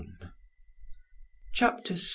CHAPTER VI.